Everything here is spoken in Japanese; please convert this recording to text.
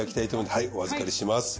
はいお預かりします。